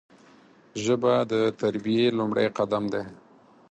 ژبه د تربیې لومړی قدم دی